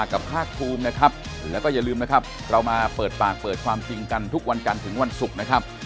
ก็เลื่อนไปด้วยนะฮะ